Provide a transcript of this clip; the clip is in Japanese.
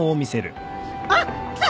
あっ来た！